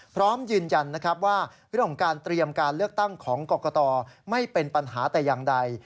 พร้อมยืนยันว่าวิธีการเตรียมการเลือกตั้งของกรกตไม่เป็นปัญหาแต่อย่างใด